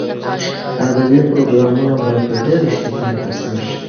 ادبي پروګرامونه باید په ډېر ښه بڼه ترسره شي.